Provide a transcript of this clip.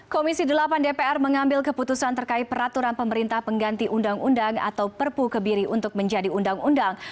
komisi delapan dpr mengambil keputusan terkait peraturan pemerintah pengganti undang undang atau perpu kebiri untuk menjadi undang undang